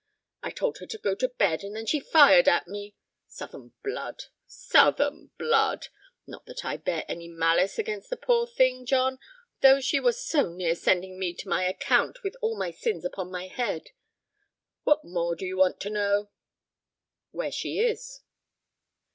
I told her to go to bed, and then she fired at me. Southern blood—Southern blood! Not that I bear any malice against the poor thing, John, though she was so near sending me to my account with all my sins upon my head. What more do you want to know?" "Where she is."